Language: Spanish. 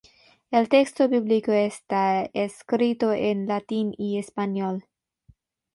El texto bíblico está escrito en latín y español.